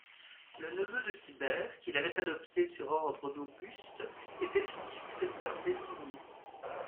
Le neveu de Tibère, qui l'avait adopté sur ordre d'Auguste, était son successeur désigné.